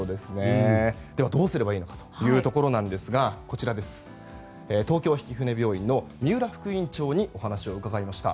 では、どうすればいいのかというところですが東京曳舟病院の三浦副院長に伺いました。